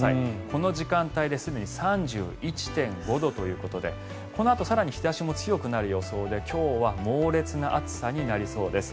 この時間帯ですでに３１．５度ということでこのあと更に日差しも強くなる予想で今日は猛烈な暑さになりそうです。